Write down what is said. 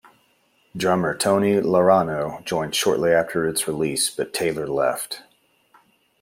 Drummer Tony Laureano joined shortly after its release but Taylor left.